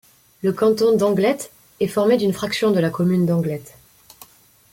Le canton d'Anglet est formé d'une fraction de la commune d'Anglet.